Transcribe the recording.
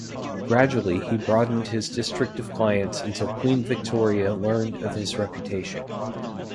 Gradually he broadened his district of clients until Queen Victoria learned of his reputation.